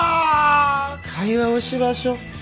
会話をしましょう。